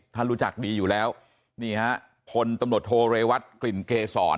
ท่านรู้จักดีอยู่แล้วนี่ฮะพลตำรวจโทเรวัตกลิ่นเกษร